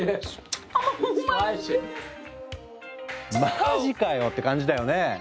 マジかよ！って感じだよね。